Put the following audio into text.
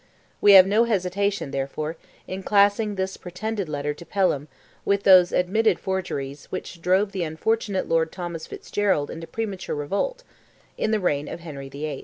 We have no hesitation, therefore, in classing this pretended letter to Pelham with those admitted forgeries which drove the unfortunate Lord Thomas Fitzgerald into premature revolt, in the reign of Henry VIII.